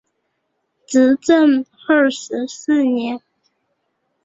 至正二十四年。